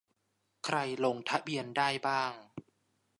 ใครลงทะเบียนได้บ้าง